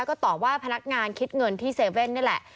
ก็ตอบว่าพนักงานคิดเงินที่๗๑๑นี่แหละ